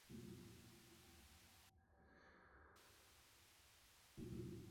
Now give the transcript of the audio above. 돌아서서 나오는 선비에게 이러한 말이 치근치근하게 뒤따른다.